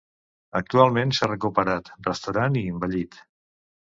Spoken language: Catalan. Actualment s'ha recuperat, restaurant i embellit.